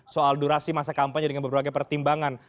soal durasi masa kampanye dengan berbagai pertimbangan